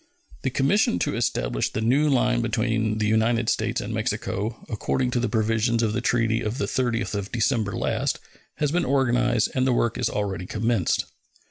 The commission to establish the new line between the United States and Mexico, according to the provisions of the treaty of the 30th of December last, has been organized, and the work is already commenced.